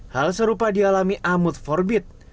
hal serupa dialami amud forbit